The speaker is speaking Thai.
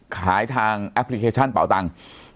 ขายทางแอปพลิเคชันเป่าตังค์